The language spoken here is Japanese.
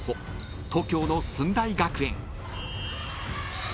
東京の駿台学園］